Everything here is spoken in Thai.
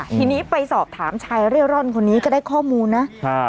ทีนี้ไปสอบถามชายเร่ร่อนคนนี้ก็ได้ข้อมูลนะ